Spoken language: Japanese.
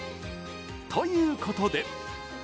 ということで。